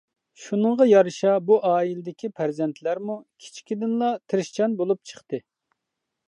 شۇنىڭغا يارىشا بۇ ئائىلىدىكى پەرزەنتلەرمۇ كىچىكىدىنلا تىرىشچان بولۇپ چىقتى.